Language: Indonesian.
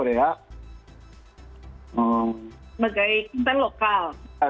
sebagai konten lokal